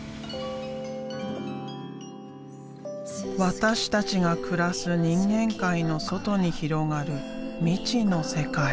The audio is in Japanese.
私たちが暮らす人間界の外に広がる未知の世界。